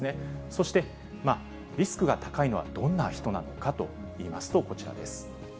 そしてリスクが高いのはどんな人なのかといいますと、こちらです。